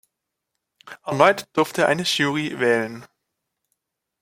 Erneut durfte eine Jury wählen.